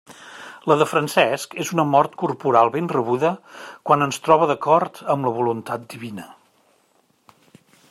La de Francesc és una mort corporal ben rebuda quan ens troba d'acord amb la voluntat divina.